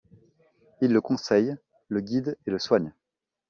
Il le conseille, le guide et le soigne.